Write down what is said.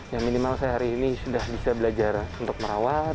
ya minimal saya hari ini sudah bisa belajar untuk merawat